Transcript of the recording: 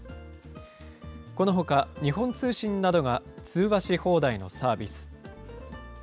このほか、日本通信などが通話し放題のサービス。